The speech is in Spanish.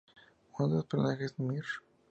Uno de los personajes, Mr.